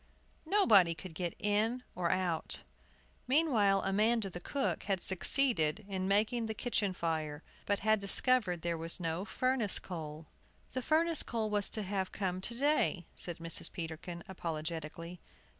Nobody could get in or out! Meanwhile, Amanda, the cook, had succeeded in making the kitchen fire, but had discovered there was no furnace coal. "The furnace coal was to have come to day," said Mrs. Peterkin, apologetically.